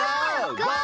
ゴー！